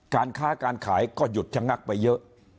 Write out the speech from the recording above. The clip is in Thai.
การค้าการขายก็หยุดชะงักไปเยอะ